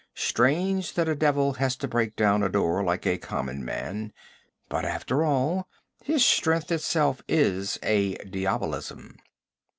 Strange that a devil has to break down a door like a common man; but after all, his strength itself is a diabolism.'